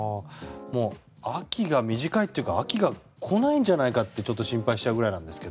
秋が短いというか秋が来ないんじゃないかってちょっと心配しちゃうくらいなんですが。